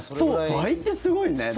倍ってすごいね。